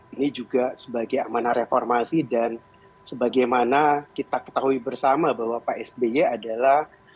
ini juga sebagai amanah reformasi dan sebagaimana kita ketahui bersama bahwa pak sby adalah